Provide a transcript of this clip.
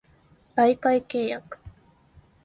媒介契約